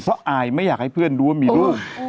เพราะอายไม่อยากให้เพื่อนรู้ว่ามีลูก